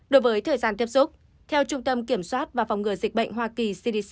đối với thời gian tiếp xúc theo trung tâm kiểm soát và phòng ngừa dịch bệnh hoa kỳ cdc